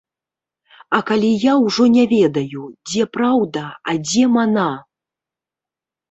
А калі я ўжо не ведаю, дзе праўда, а дзе мана.